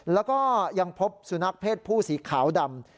แล้วก็ยังพบสุนัขเพศผู้สีขาวดำ